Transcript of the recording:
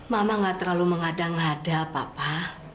mama nggak terlalu mengada ngada papa